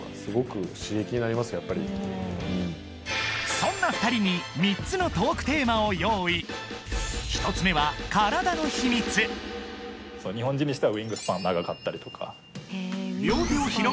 そんな２人に３つのトークテーマを用意１つ目は日本人にしては。